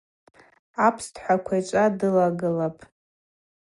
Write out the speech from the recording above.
Апстхӏва квайчӏва дылагылапӏ.